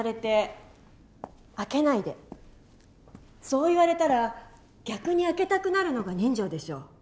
そう言われたら逆に開けたくなるのが人情でしょう。